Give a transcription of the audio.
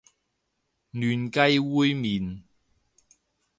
嫩雞煨麵